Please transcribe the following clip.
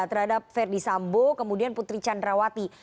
terhadap verdi sambo kemudian putri candrawati